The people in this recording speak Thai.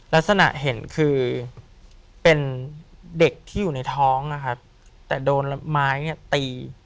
ลักษณะเห็นคือเป็นเด็กที่อยู่ในท้องแต่โดนไม้ตี